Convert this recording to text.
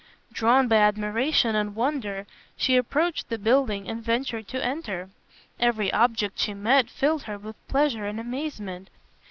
Drawn by admiration and wonder, she approached the building and ventured to enter. Every object she met filled her with pleasure and amazement.